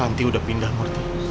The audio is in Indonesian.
ranti udah pindah murti